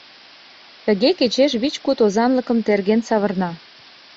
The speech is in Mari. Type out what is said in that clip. Тыге кечеш вич-куд озанлыкым «терген» савырна.